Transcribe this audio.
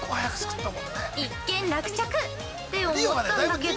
一件落着！って思ったんだけど。